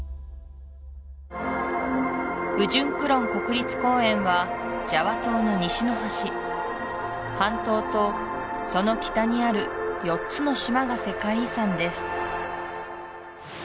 ウジュンクロン国立公園はジャワ島の西の端半島とその北にある４つの島が世界遺産です